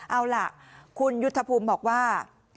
เอาล่ะคุณยุทธภูมิบอกว่า